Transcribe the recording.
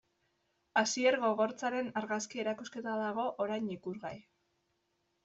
Asier Gogortzaren argazki erakusketa dago orain ikusgai.